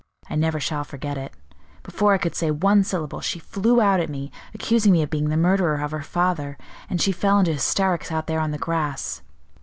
I never shall forget it; before I could say one syllable she flew out at me, accusing me of being the murderer of her father, and she fell into hysterics out there on the grass.